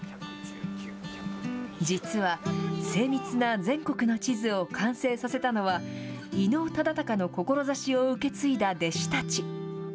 実は、精密な全国の地図を完成させたのは、伊能忠敬の志を受け継いだ弟子たち。